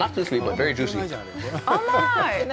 甘い！